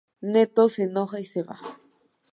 Neto se enoja y se va.